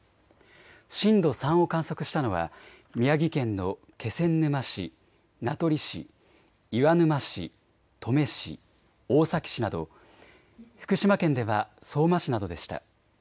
震度３を観測したのは宮城県の気仙沼市、名取市、岩沼市、登米市、大崎市など、福島県では相馬市などでした。